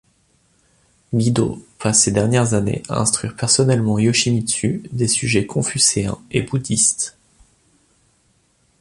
Gidō passe ses dernières années à instruire personnellement Yoshimitsu de sujets confucéens et bouddhistes.